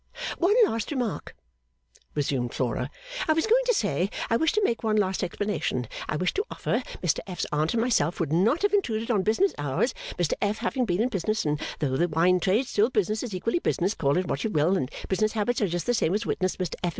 'One last remark,' resumed Flora, 'I was going to say I wish to make one last explanation I wish to offer, Mr F.'s Aunt and myself would not have intruded on business hours Mr F. having been in business and though the wine trade still business is equally business call it what you will and business habits are just the same as witness Mr F.